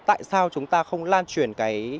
tại sao chúng ta không lan truyền